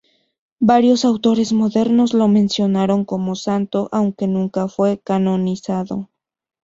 Varios autores modernos lo mencionaron como santo, aunque nunca fue canonizado.